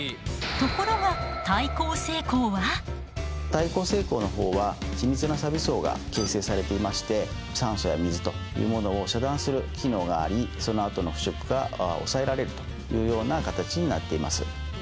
ところが耐候性鋼のほうは緻密なサビ層が形成されていまして酸素や水というものを遮断する機能がありそのあとの腐食が抑えられるというような形になっています。